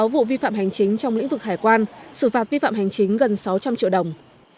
một trăm sáu mươi sáu vụ vi phạm hành chính trong lĩnh vực hải quan xử phạt vi phạm hành chính gần sáu trăm linh triệu đồng